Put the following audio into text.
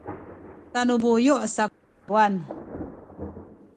tanu buyu’ saku Taywan